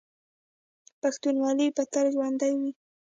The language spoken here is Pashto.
پښتونولي به تل ژوندي وي.